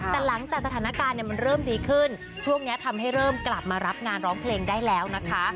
แต่หลังจากสถานการณ์มันเริ่มดีขึ้นช่วงนี้ทำให้เริ่มกลับมารับงานร้องเพลงได้แล้วนะคะ